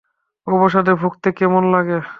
অবসাদে ভুগতে কেমন লাগে?